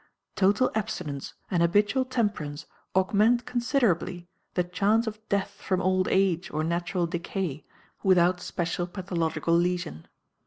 Total abstinence and habitual temperance augment considerably the chance of death from old age or natural decay, without special pathological lesion."